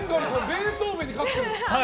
ベートーヴェンに勝ってる。